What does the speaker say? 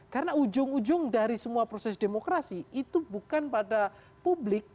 karena ujung ujung dari semua proses demokrasi itu bukan pada publik